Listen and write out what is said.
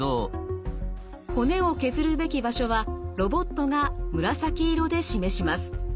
骨を削るべき場所はロボットが紫色で示します。